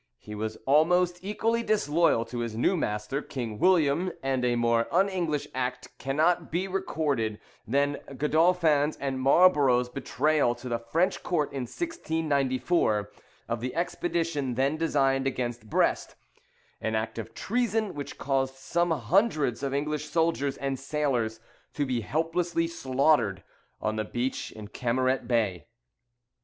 He was almost equally disloyal to his new master, King William; and a more un English act cannot be recorded than Godolphin's and Marlborough's betrayal to the French court in 1694 of the expedition then designed against Brest, an act of treason which caused some hundreds of English soldiers and sailors to be helplessly slaughtered on the beach in Camaret Bay.